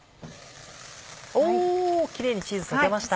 おキレイにチーズ溶けました。